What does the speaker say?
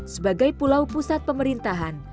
sebagai pulau pusat pemerintahan